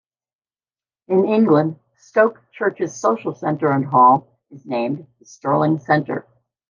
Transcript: In England, Stoke Church's social centre and hall is named "The Stirling Centre".